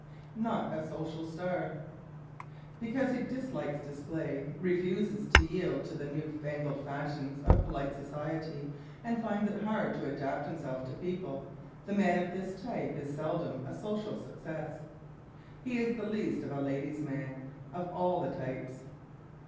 Not a Social Star ¶ Because he dislikes display, refuses to yield to the new fangled fashions of polite society and finds it hard to adapt himself to people, the man of this type is seldom a social success. He is the least of a "ladies' man" of all the types.